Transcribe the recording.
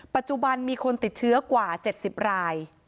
ปัจจุบันมีคนติดเชื้อกว่า๗๐ราย